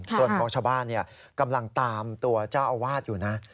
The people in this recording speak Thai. ส่วนของชาวบ้านกำลังตามตัวเจ้าอาวาสอยู่นะ